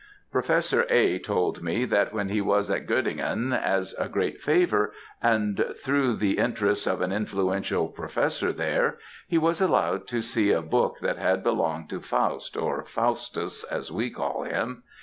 Professor A. told me that when he was at Göttingen, as a great favour, and through the interest of an influential professor there, he was allowed to see a book that had belonged to Faust, or Faustus, as we call him.